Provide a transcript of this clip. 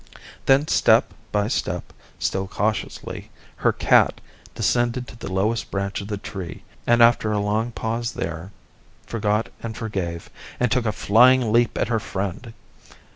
Then step by step still cautiously her cat descended to the lowest branch of the tree, and after a long pause there forgot and forgave, and took a flying leap at her friend.